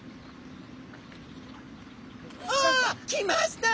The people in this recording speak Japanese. あ来ました。